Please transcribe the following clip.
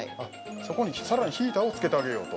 ◆そこにさらにヒーターをつけてあげようと。